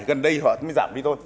gần đây họ mới giảm đi thôi